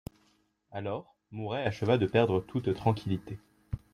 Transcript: Alors, Mouret acheva de perdre toute tranquillité.